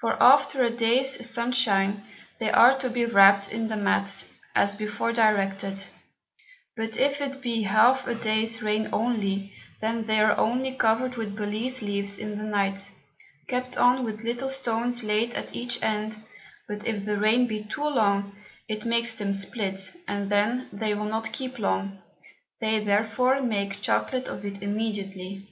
For after a Day's Sun shine, they are to be wrap'd in the Mat, as before directed; but if it be half a Day's Rain only, then they are only covered with Balize Leaves in the Night, kept on with little Stones laid at each End: But if the Rain be too long, it makes them split, and then they will not keep long; they therefore make Chocolate of it immediately.